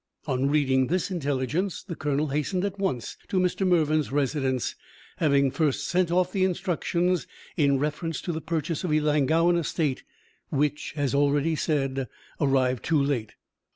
On reading this intelligence the colonel hastened at once to Mr. Mervyn's residence, having first sent off the instructions in reference to the purchase of the Ellangowan estate which, as already said, arrived too late.